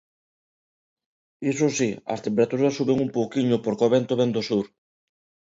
Iso si, as temperaturas soben un pouquiño porque o vento vén do sur.